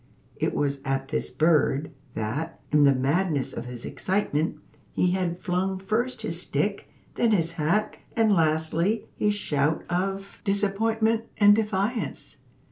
It was at this bird, that, in the madness of his excitement, he had flung first his stick, then his hat, and lastly his shout of disappointment and defiance.